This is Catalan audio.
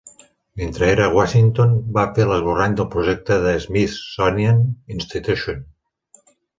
Mentre era a Washington, va fer l'esborrany del projecte de l'Smithsonian Institution.